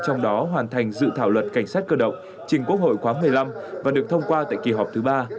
trong đó hoàn thành dự thảo luật cảnh sát cơ động trình quốc hội khóa một mươi năm và được thông qua tại kỳ họp thứ ba